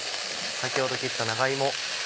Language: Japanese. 先ほど切った長芋。